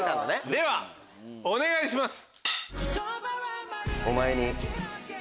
ではお願いします。